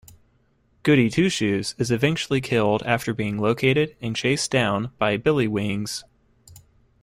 Goody Two-Shoes is eventually killed after being located and chased down by Billy Wings.